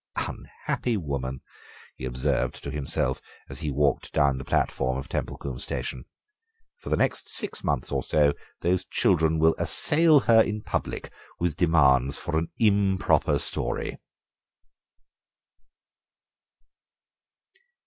"Unhappy woman!" he observed to himself as he walked down the platform of Templecombe station; "for the next six months or so those children will assail her in public with demands for an improper story!"